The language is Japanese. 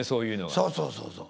そうそうそうそう。